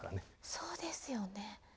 そうですよね。